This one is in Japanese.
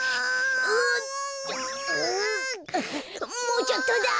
もうちょっとだ。